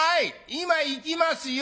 今行きますよ。